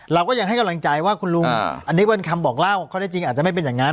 เราก็ยังให้กำลังใจว่าคุณลุงอันนี้เป็นคำบอกเล่าข้อได้จริงอาจจะไม่เป็นอย่างนั้น